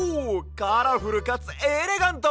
カラフルかつエレガント！